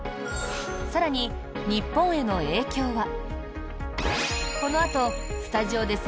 更に、日本への影響は？